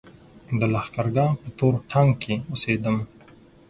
د لښکرګاه په تور ټانګ کې اوسېدم.